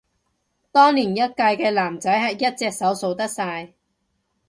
當年一屆嘅男仔係一隻手數得晒